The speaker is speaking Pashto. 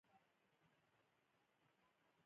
تر ټولو مهم درس چې باید زده یې کړو دا دی